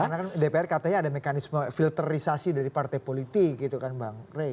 karena kan dpr katanya ada mekanisme filterisasi dari partai politik gitu kan bang rey